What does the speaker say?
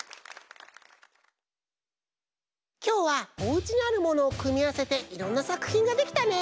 きょうはおうちにあるものをくみあわせていろんなさくひんができたね。